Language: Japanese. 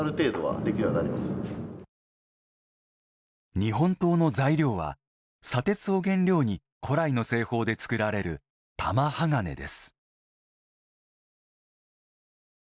日本刀の材料は砂鉄を原料に古来の製法で作られる玉鋼です。